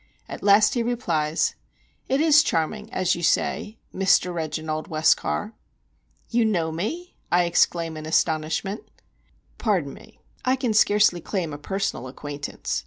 At last he replies: "It is charming, as you say, Mr. Reginald Westcar." "You know me?" I exclaim, in astonishment. "Pardon me, I can scarcely claim a personal acquaintance.